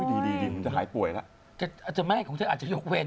ไอ้จริงแสดงว่ั้ที่ไม่ปวดอยากจะหยกเวล